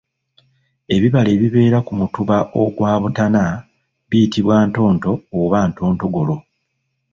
"Ebibala ebibeera ku mutuba ogwa butana, biyitibwa ntonto oba ntontogolo."